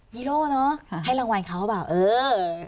ฮีโร่เนอะให้รางวัลเขาหรือเปล่าเออ